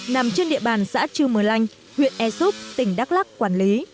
nằm trên địa bàn xã chư mờ lanh huyện e súp tỉnh đắk lắc quản lý